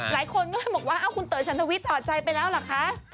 หลายคนก็เลยบอกว่าคุณเต๋อฉันทวิทย์ถอดใจไปแล้วเหรอคะ